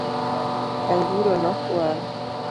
Anguro nokwal .